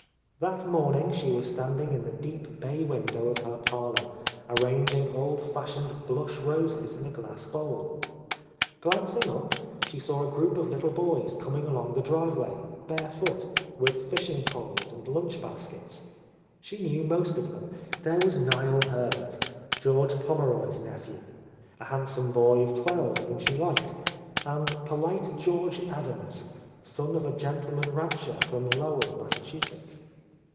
That morning she was standing in the deep bay window of her parlour, arranging old fashioned blush roses in a glass bowl. Glancing up, she saw a group of little boys coming along the driveway, barefoot, with fishing poles and lunch baskets. She knew most of them ; there was Niel Herbert, Judge Pommeroy's nephew, a handsome boy of twelve whom she liked; and polite George Adams, son of a gentleman rancher from Lowell, Massachusetts.